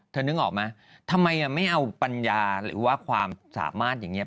นึกออกไหมทำไมไม่เอาปัญญาหรือว่าความสามารถอย่างนี้